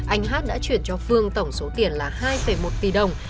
anh hát đã chuyển cho phương tổng số tiền là hai một tỷ đồng